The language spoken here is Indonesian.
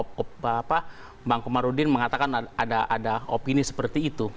dan kemudian bang kumarudin mengatakan ada opini seperti itu